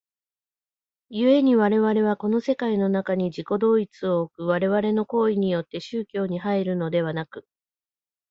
故に我々はこの世界の中に自己同一を置く我々の行為によって宗教に入るのでなく、